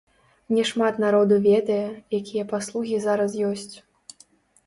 Не шмат народу ведае, якія паслугі зараз ёсць.